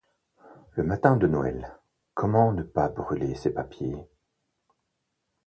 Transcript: Le matin de Noël, comment ne pas brûler ces papiers?